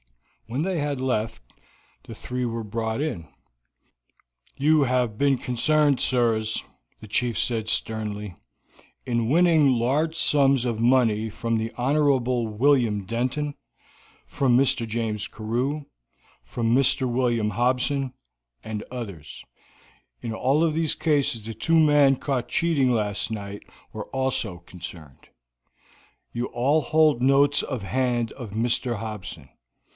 When they had left, the three were brought in. "You have been concerned, sirs," the chief said sternly, "in winning large sums of money from the Hon. William Denton, from Mr. James Carew, from Mr. William Hobson, and others; in all of these cases the two men caught cheating last night were also concerned. You all hold notes of hand of Mr. Hobson.